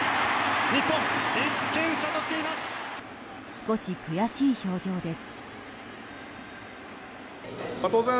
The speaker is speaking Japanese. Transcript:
少し悔しい表情です。